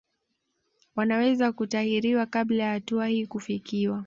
Wanaweza kutahiriwa kabla ya hatua hii kufikiwa